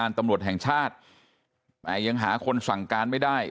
ตำรวจแห่งชาติแต่ยังหาคนสั่งการไม่ได้